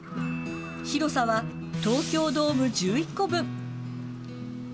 広さは東京ドーム１１個分。